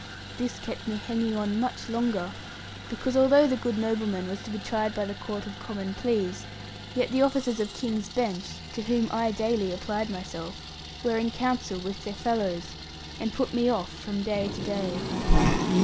This kept me hanging on much longer; because although the good nobleman was to be tried by the Court of Common Pleas, yet the officers of King's Bench, to whom I daily applied myself, were in counsel with their fellows, and put me off from day to day.